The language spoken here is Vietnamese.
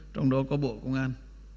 trong đó có bộ công an